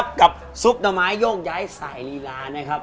บอกเลยกันครับสุปน้๋อไม้โย่งย้ายสายลีลานะครับ